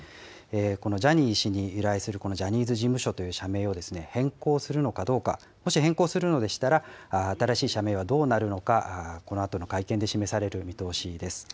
このジャニー氏に由来するこのジャニーズ事務所という社名を変更するのかどうか、もし変更するのでしたら、新しい社名はどうなるのか、このあとの会見で示される見通しです。